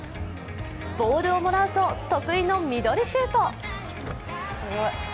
ボールをもらうと得意のミドルシュート。